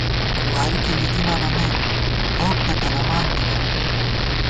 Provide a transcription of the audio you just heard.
واری کی لِکی نہ بَمېم، ٹھوک تہ تلَمان تِوَہ